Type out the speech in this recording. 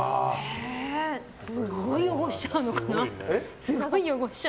すごい汚しちゃうのかな。